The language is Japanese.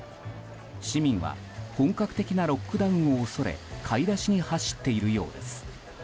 市民は本格的なロックダウンを恐れ買い出しに走っているようです。